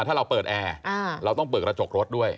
ถ้าเราเปิดแอร์เราต้องเปิดกระจกรถด้วย